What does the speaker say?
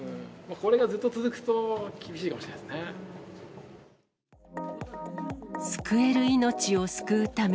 これがずっと続くと厳しいかもしれないですね。